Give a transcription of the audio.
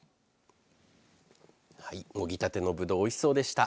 もぎたてのぶどうおいしそうでした。